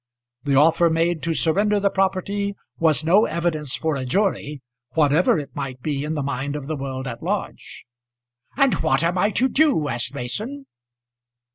The offer made to surrender the property was no evidence for a jury whatever it might be in the mind of the world at large. "And what am I to do?" asked Mason.